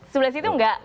sebelah situ enggak